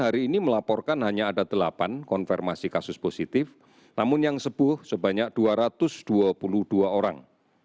hari ini melaporkan hanya ada delapan konfirmasi kasus positif namun yang sembuh sebanyak dua ratus dua puluh dua orang